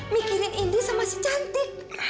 mikirin ini sama si cantik